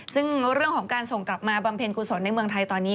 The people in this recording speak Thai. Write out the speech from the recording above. ซึ่งเรื่องของการส่งกลับมาบำเพ็ญกุศลในเมืองไทยตอนนี้